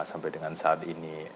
sampai dengan saat ini